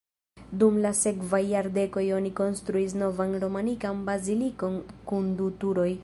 Dum la sekvaj jardekoj oni konstruis novan romanikan bazilikon kun du turoj.